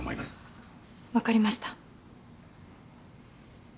分かりました。